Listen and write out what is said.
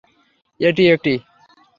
এটি একটি।